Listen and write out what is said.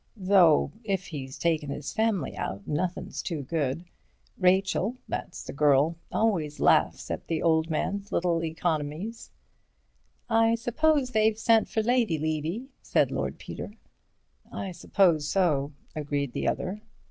Though, if he's takin' his family out, nothing's too good. Rachel—that's the girl—always laughs at the old man's little economies." "I suppose they've sent for Lady Levy," said Lord Peter. "I suppose so," agreed the other.